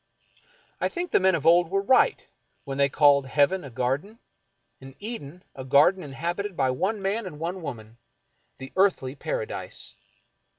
I think the men of old were right when they called heaven a garden, and Eden a garden inhabited by one man and one woman, the Earthly Paradise.